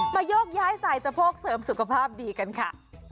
โยกย้ายสายสะโพกเสริมสุขภาพดีกันค่ะ